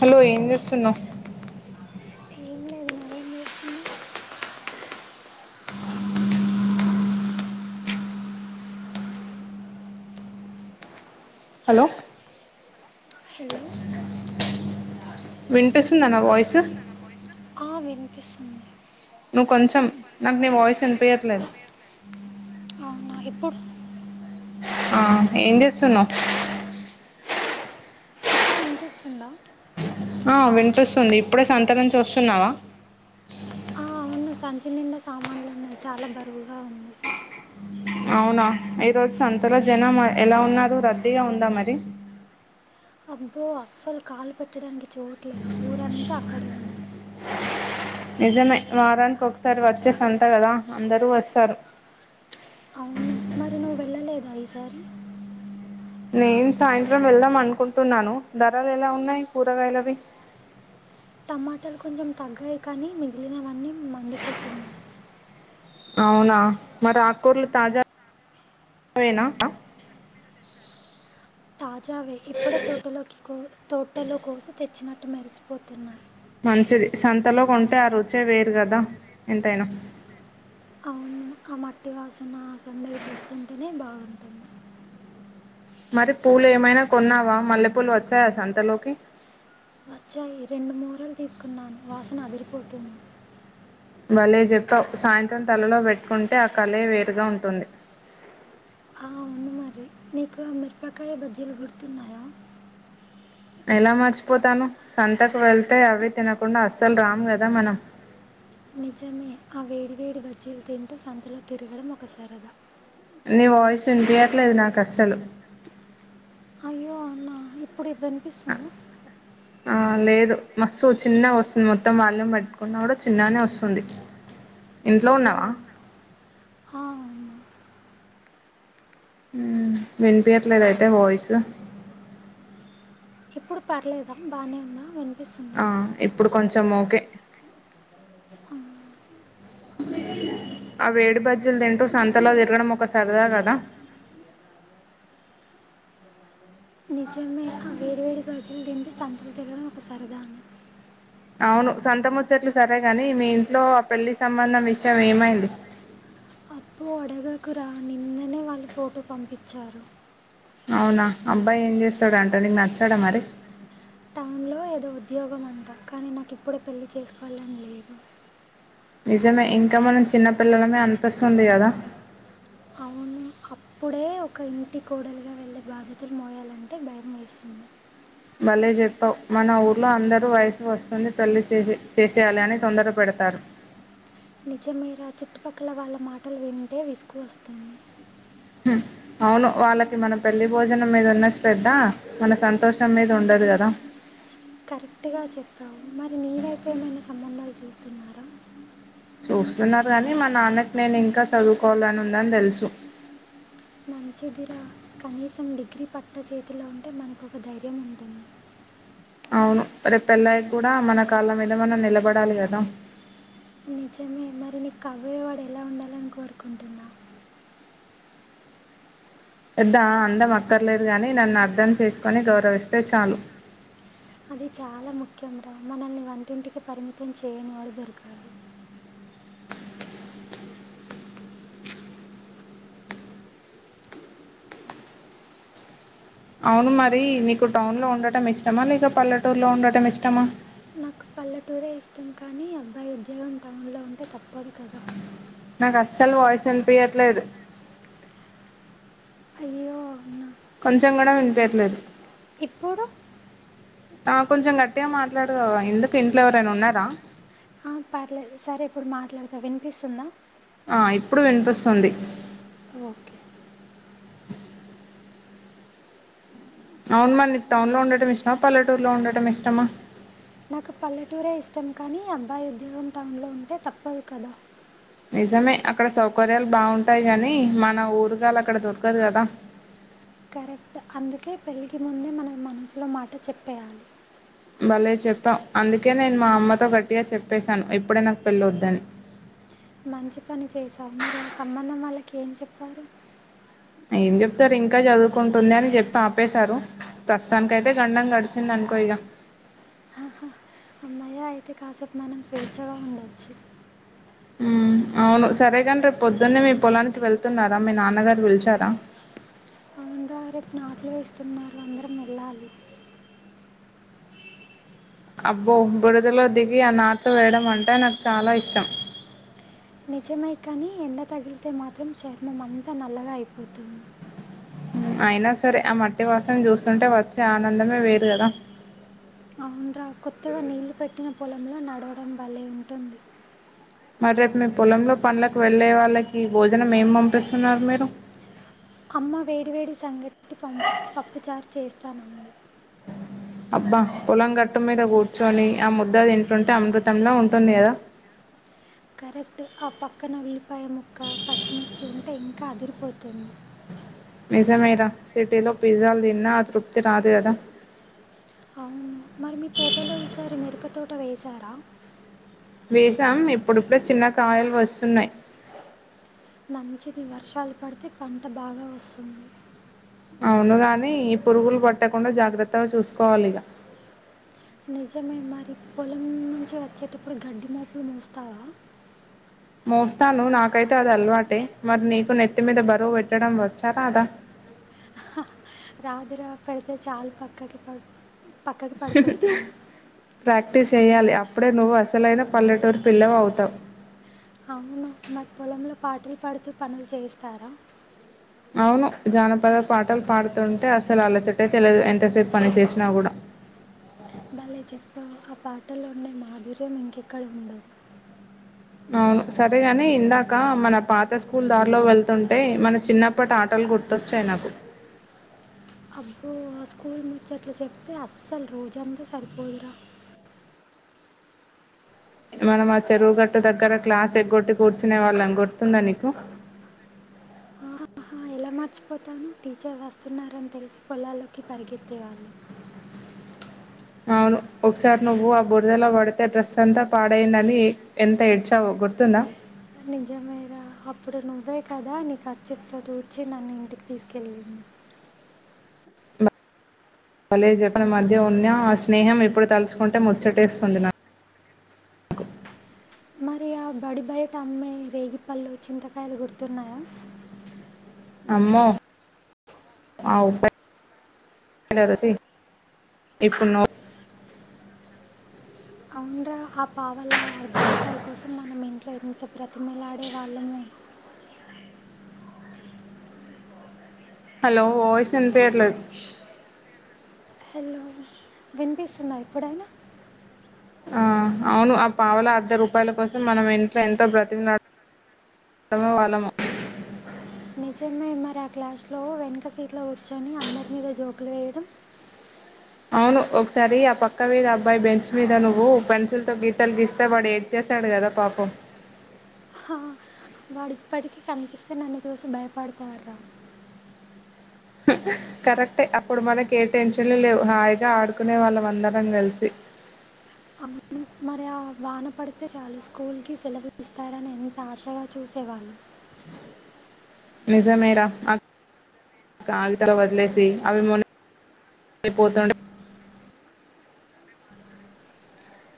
Hello ఏం చేస్తున్నా ఏం లేదు నువ్వేం చేస్తున్నావ్? హలో హలో విన్పిస్ తుందా నా వాయిస్? ఆ వినిపిస్తుంది నువ్వు కొంచెం నాకు నీ వాయిస్ వినిపియ్యట్లేదు. అవునా ఇప్పుడు ఆ ఏం చేస్తున్నావ్? ఇప్పుడు ఇనిస్తుందా? ఆ వినిపిస్తుంది ఇప్పుడే సంత నుంచి వస్తున్నావా? ఆ అవును సంచి నిండా సామాన్లున్నాయ్ చాల బరువుగా ఉంది. అవునా ఈరోజు సంతలో జనం ఎలా ఉన్నారు రద్దీగా ఉందా మరి అబ్బో అస్సలు కాలు పెట్టడానికి చోట్లేదు ఊరంతా అక్కడె ఉంది. నిజమే వారానికి ఒకసారి వచ్చేసంత కదా అందరూ వస్తారు. రా ఈసారి నేను సాయంత్రం వెళ్దాం అనుకుంటున్నాను. ధరలు ఎలా ఉన్నాయి కూరగాయలవి టమాటాలు కొంచెం తగ్గాయి కానీ మిగిలినవన్నీ మండిపోతున్నాయి. అవునా మరి ఆక్కుర్లు తాజా వేనా? తా జావే ఇప్పుడే తోటలోకి కోయ్ తోటలో కోసి తెచ్చినట్టు మెరిసిపోతున్నాయి మంచిది సంతలో కొంటే ఆ రుచే వేరు కదా ఎంతైనా నాక్ ఆ మట్టి వాసన సందడి చూస్తుంటేనే బాగుంటుంది. మరి పూలు ఏమైనా కొన్నావా మల్లెపూలు వచ్చాయా సంతలోకి వచ్చాయి రెండు మూరలు తీసుకున్నాను వాసన అదిరిపోతుంది. భలే చెప్పావు సాయంత్రం తలలో పెట్టుకుంటే ఆ కళే వేరుగా ఉంటుంది. ఆ అవును మరి నీకు మిరపకాయ బజ్జీలు గుర్తున్నాయా? ఎలా మర్చిపోతాను సంతకు వెళ్తే అవి తినకుండా అస్సలు రాము కదా మనం. నిజమే ఆ వేడివేడి బజ్జీలు తింటూ సంతలో తిరగడం ఒక సరదా నీ వాయిస్ వినిపీయట్లేదు నాకు అస్సలు. అయ్యో అన్న ఇప్ ప్పుడు ఇ వినిపిస్తుందా? ఆ లేదు మస్తుగ చిన్నగ వస్తుంది మొత్తం వాల్యూమ్ పెట్టుకున్న కూడా చిన్నగనే వస్తుంది. ఇంట్లో అయ్యో ఉన్నావా? ఆ, అవును మ్మ్ వినిపియట్లేద అయితే వాయిస్ ఇప్పుడు పర్లేదా బాగానే ఉందా వినిపిస్తుందా ఆ ఇప్పుడు కొంచెం కొంచెం ఓకే ఆ, ఆ వేడి బజ్జీలు తింటూ సంతలో తిరగడం ఒక సరదా కదా నిజమే ఆ వేడి వేడి బజ్జీలు తిం సంతలో తిరగడం ఒక సరదానే అవును సంతముచ్చట్లు సరే గాని మీ ఇంట్లో ఆ పెళ్లి సంబంధం విషయం ఏమైంది అప్పు అడగకురా నిన్ననే వాళ్ళు ఫోటో పంపించారు అవునా అబ్బాయి ఏం చేస్తాడు అంటా నీకు నచ్చాడా మరి టౌన్లో ఏదో ఉద్యోగం అంట కానీ నాకు ఇప్పుడే పెళ్లి చేసుకోవాలని లేదు నిజమే ఇంకా మనం చిన్నపిల్లలమే అనిపిస్తుంది కదా అవును అప్పుడే ఒక ఇంటి కోడలిగా వెళ్ళి బాధ్యతలు మోయాలంటే భయం వేస్తుంది భలే చెప్పావు మన ఊర్లో అందరు వయసు వస్తుంది పెళ్లి చేసి చేసేయాలి అని తొందర పెడతారు నిజమేర చుట్టుపక్కల వాళ్ళ మాటలు వింటే విసుగు వస్తుంది అవును వాళ్ళకి మన పెళ్లి భోజనం మీద ఉన్న శ్రద్ధ మన సంతోషం మీద ఉండదు కదా కరెక్టుగా చెప్పావు మరి నీ వైపు ఏమైనా సంబంధాలు చూస్త స్తున్నారా చూస్తున్నారు కాని మా నాన్నకి నేను ఇంకా చదువుకోవాలని ఉందని తెలుసు మంచిదిర కనీసం డిగ్రీ పట్ట చేతిలో ఉంటే మనకు ఒక ధైర్యం ఉంటుంది అవును రేపు పెళ్ల్ళయి కూడా మన కాళ్ళ మీద మనం నిలబడాలి కదా నిజమే మరి నీకు కాబోయేవాడు ఎలా ఉండాలని కోరుకుంటున్నావ్ పెద్ద అందం అక్కర్లేదు గాని నన్ను అర్థం చేసుకొని గౌరవిస్తే చాలు అది చాలా ముఖ్యం రా మనల్ని వంటింటికి పరిమితం చేయని వాడు దొరకాలి అవును మరి నీకు టౌన్లో ఉండటం ఇష్టమా లేక పల్లెటూరులో ఉండటం ఇష్టమా ఒక పల్లెటూరే ఇష్టం కానీ అబ్బాయి ఉద్యోగం టౌన్లో ఉంటే తప్పదు కదా నాకు అస్సలు వాయిస్ వినిపియట్లేదు అయ్యె అవున కొంచెం కూడా వినిపియట్లేదు ఇప్పుడు ఆ కొంచెం గట్టిగా మాట్లాడరాద ఎందుకు ఇంట్లో ఎవరైనా ఉన్నారా ఆ పర్లేదు సరే ఇప్పుడు మాట్లాడుతా వినిపిస్తుందా ఆ ఇప్పుడు వినిపిస్తుంది ఓకే అవును మళ్ళీ నీకు టౌన్ లో ఉండటం ఇష్టమా, పల్లెటూరులో ఉండటం ఇష్టమా నాకు పల్లెటూరే ఇష్టం కానీ అబ్బాయి ఉద్యోగం టౌన్లో ఉంటే తప్పదు కదా నిజమే అక్కడ సౌకర్యాలు బాగుంటాయి కాని మన ఊరుగాళ్ళ అక్కడ దొరకదు కదా కరెక్ట్ అందుకే పెళ్ళకి ముందే మన మనసులో మాట చెప్పేయాలి భలే చెప్పాం అందుకే నేను మా అమ్మతో గట్టిగా చెప్పేశాను ఇప్పుడే నాకు పెళ్ళొద్దని మంచి పని చేశావ్ మరి ఆ సంబంధం వాళ్ళకి ఏం చెప్పారు ఏం చెప్తారు ఇంకా చదువుకుంటుంది అని చెప్పి ఆపేశారు ప్రస్తుతానికి అయితే గండం గడిచింది అనుకో ఇక హ హ అమ్మాయ్య అయితే కాసేపు మనం స్వేచ్ఛగా ఉండొచ్చు అవును సరేగాని రేపు పొద్దున్నే మీ పొలానికి వెళ్తున్నారా మీ నాన్నగారు పిలిచారా అవును రా రేపు నాట్లు వేస్తున్నారు అందరం వెళ్ళాలి అబ్బో బురదలో దిగి ఆ నాట్లు వేయడం అంటే నాకు చాలా ఇష్టం నిజమే కానీ ఎండ తగిలితే మాత్రం చర్మం అంతా నల్లగా అయిపోతుంది అయినా సరే ఆ మట్టి వాసన చూస్తుంటే వచ్చే ఆనందమే వేరు కదా అవున్రా కొత్తగా నీళ్లు పెట్టినం పొలంలొ నడవడం భలే ఉంటుంది మరి రేప్ మీ పొలంలో పండ్లకు వెళ్ళే వాళ్ళకి భోజనం ఏం పంపిస్తున్నారు మీరు అమ్మ వేడివేడి సంగటి పప్పుచారు చేస్తానంది అబ్బా పొలం గట్టు మీద కూర్చొని ఆ ముద్దది తిన్టుంటే అమృతంలా ఉంటుంది కదా కరెక్ట్ ఆ పక్కన ఉల్లిపాయ మొక్క పచ్చిమిర్చి ఉంటే ఇంకా అదిరిపోతుంది నిజమేర సిటీలో పిజ్జాలు తిన్నా ఆ తృప్తి రాదు కదా అవును మరి మీ తోటోలో ఈసారి మిరప తోట వేసార వేసాం ఇప్పుడిప్పుడె చిన్న కాయలు వస్తున్నాయి మంచిది వర్షాల్ పడితే పంట బాగా వస్తుంది అవును గాని ఈ పురుగులు పట్టకుండా జాగ్రత్తగా చూసుకోవాలి ఇక నిజమే మరి పొలం నుంచి వచ్చేటప్పుడు గడ్డి మోపులు మోస్తావ మోస్తాను నాకైతే అది అలవాటే మరి నీకు నెత్తి మీీద బరువు పెట్టడం వచ్చా రాదా రాదు రా పెడితే చాలు పక్కకి పోద్ది ప్రాక్టీస్ చెయ్యాలె అ అప్పుడే నువ్వు అసలైన పల్లెటూరు పిల్లవవుతావు అవును మాక్ పొలంలో పాటలు పాడుతూ పనులు చేయిస్తార అవును జానపద పాటలు పాడుతుంటే అసలు అల సటె తెలియదు ఎంతసేపు పని చేసినా కూడా భలే చెప్పావు ఆ పాటలు ఉండే మాధుర్యం ఇంకెక్కడ ఉండదు అవును సరేగాని ఇందాక మన పాత స్కూల్ దారిలో వెళ్తుంటే మన చిన్నప్పటి ఆటలు గుర్తొచ్చాయి నాకు అబ్బో ఆ స్కూల్ ముచ్చట్లు చెప్తే అస్సలు రోజంత సరిపోదురా మనం ఆ చెరువుగట్టు దగ్గర క్లాస్ ఎగ్గొట్టి కూర్చునే వాళ్ళం గుర్తుందా నీకు ఆహా, ఎలా మార్చిపోతాను టీచర్ వస్తున్నారని తెలిసి పొలాల్లోకి పరిగెత్తె వాల్లము అవును ఒకసారి నువ్వు ఆ బుర్దలో పడితే డ్రెస్ అంతా పాడయినని ఎంత ఏడ్చావొ గుర్తుందా నిజమే ర అప్పుడు నువ్వే కదా నీ ఖర్చిఫ్ తో తూడ్చి నన్ను ఇంటికి తీసుకెళ్ళింది కాలేజ్ ఎప్పుడు మధ్య ఉన్నా ఆ స్నేహం ఇప్పుడు తలుచుకుంటే ముచ్చటేస్తుంది నా మరి ఆ బడి బయట అమ్మే రేగిపళ్ళు చింతకాయలు గుర్తున్నాయ అమ్మో ఆ ఉ ఇప్పున్న అవున్రా ఆ పావలా అర్ధ రూపాయి కోసం మనం ఇంట్లో ఎంత బ్రతిమలాడేవాళ్ళమో హలో వాయిస్ ఇనిపీయట్లేదు హెలో విన్పిస్తుందా ఇప్పుడుయినా అ అవును ఆ పావుల అర్ధ రూపాయల కోసం మనం ఇంట్లో ఎంతో బ్రతికిడమ వాళ్ళము నిజమే మరి ఆ క్లాస్లో వెనక సీట్లో కూర్చొని అందరి మీద జోకులు వేయడం అవును ఒకసారి ఆ పక్క మీద అబ్బాయి బెంచ్ మీద నువ్వు పెన్సిల్ తో గీతలు గీస్తేవాడు ఏడ్ చేశాడు కదా పాపం వాడిప్పటికీ కనిపిస్తే నన్ను చూసి భయపడతారు రా కరెక్టే అప్పుడు మనకి ఏ టెన్షన్లు లేవు హాయిగా ఆడుకునే వాళ్ళం అందరం కలిసి అను మరి ఆ వాన పడితే చాలుా స్కూల్కి సెలవలు ఇస్తారని ఎంత ఆశగా చూసేవాళ్ళు నిజమేరా కాగితాలోదిలేసి అవి మొన్నపోతుండ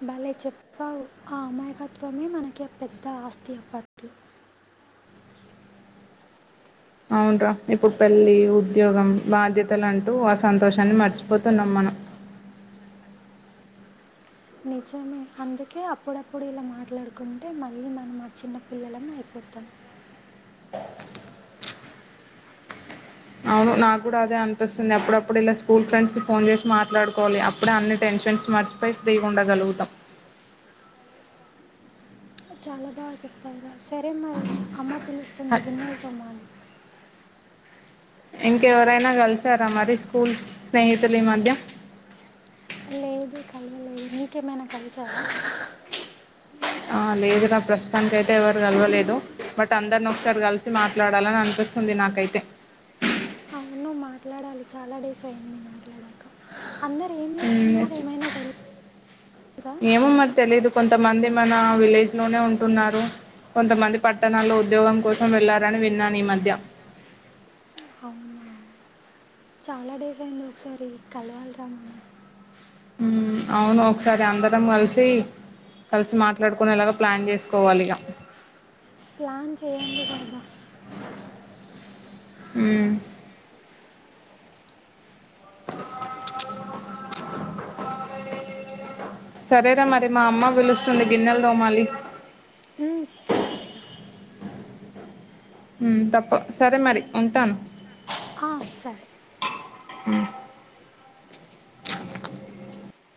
భలే చెప్పావు ఆ అమాయకత్వమే మనకి పెద్ద ఆస్తి అ పద్దు అవున్రా ఇప్పుడు పెళ్ళి ఉద్యోగం బాధ్యతలు అంటూ ఆ సంతోషాన్ని మర్చిపోతున్నాం మనం నిజమే అందుకే అప్పుడప్పుడు ఇలా మాట్లాడుకుంటే మళ్ళీ మనం మా చిన్న పిల్లలం అయిపోతాం అవును నాకు కూడా అదే అనిపిస్తుంది అప్పుడప్పుడు ఇలా స్కూల్ ఫ్రెండ్స్ కి ఫోన్ చేసి మాట్లాడుకోవాలి అప్పుడే అన్ని టెన్షన్స్ మర్చిపోయి ఫ్రీగ ఉండగలుగుతాం చాల బాగా చెప్పావురా సరే మరి అమ్మ పిలుస్తుంది గిన్నెలు తోమ ఇంకెవరైనా కలిసారా మరి స్కూల్ స్నేహితులు ఈ మధ్య లేదు కల్వలేదు నీకే మనా కలిసారా ఆ లేదు నా ప్రస్తుతాననికి అయితే ఎవరు కలవలేదు బట్ అందరిని ఒకసారి కలిసి మాట్లాడాలని అనిపిస్తుంది నాకైతే అవును మాట్లాడాలి చాలా డేస్ అయింది మాట్లాడాక అందరు ఏం చేస్తున్నారు చ్చ ఏమైనా తెలుసా ఏమ మరి తెలిదు కొంత మంది మన విలేజ్ లోనే ఉంటున్నారు కొంతమంది పట్టణాల్లో ఉద్యోగం కోసం వెళ్ళారని విన్నాను ఈ మధ్య అవునావు చాలా డేస్ అయింది ఒకసారి కలవాలిరా మన్న అవును ఒకసారి అందరం కలిసి కలిసి మాట్లాడుకునేలాగా ప్లాన్ చేసుకోవాలి ఇక ప్లాన్ చేయండి కదా అ సరేరా మరి మా అమ్మ పిలుస్తుంది గిన్నెల దోమాలి సారే తప్ప సరే మరి ఉంటాను ఆ సరే హ